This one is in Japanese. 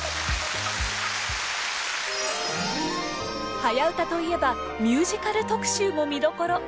「はやウタ」といえばミュージカル特集も見どころ。